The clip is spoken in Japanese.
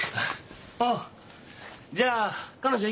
ああじゃあ彼女